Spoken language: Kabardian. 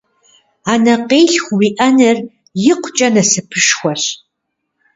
Анэкъилъху уиӏэныр икъукӏэ насыпышхуэщ!